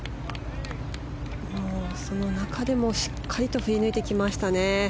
その中でもしっかり振り抜いてきましたね。